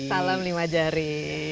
salam lima jari